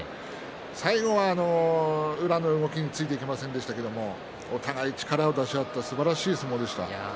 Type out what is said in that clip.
最後は宇良の動きについていけませんでしたけれどお互いに力を出し合ったすばらしい相撲でした。